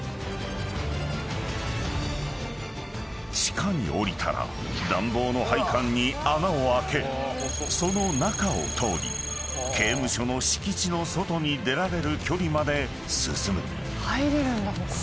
［地下に下りたら暖房の配管に穴を開けその中を通り刑務所の敷地の外に出られる距離まで進む］